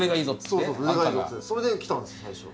それで来たんです最初。